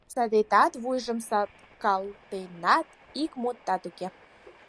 Садетат вуйжым сакалтенат, ик мутат уке.